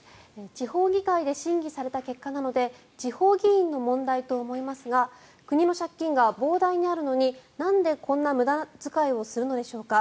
地方議会で審議された結果なので地方議員の問題と思いますが国の借金が膨大にあるのになんでこんな無駄遣いをするのでしょうか。